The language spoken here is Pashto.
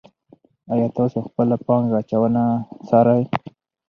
آیا تاسو خپله پانګه اچونه څارئ.